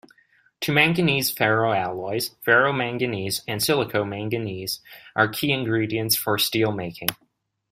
Two manganese ferroalloys, ferromanganese and silicomanganese, are key ingredients for steelmaking.